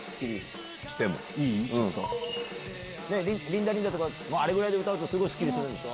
ねぇ、リンダリンダとか、あれぐらいで歌うとすごいすっきりするんでしょ？